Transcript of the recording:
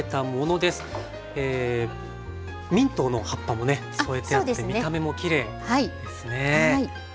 ミントの葉っぱもね添えてあって見た目もきれいですね。